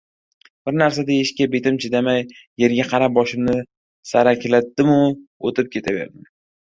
Bir narsa deyishga betim chidamay, yerga qarab boshimni saraklatdim-u, oʻtib ketaverdim.